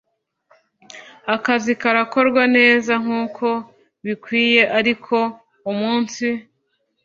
akazi karakorwa neza nkuko bikwiye ariko umunsi